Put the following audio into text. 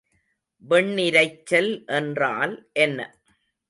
வெண்ணிரைச்சல் என்றால் என்ன?